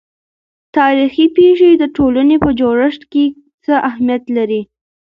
تاريخي پېښې د ټولنې په جوړښت کې څه اهمیت لري؟